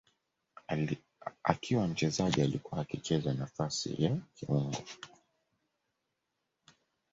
Akiwa mchezaji alikuwa akicheza nafasi ya kiungo.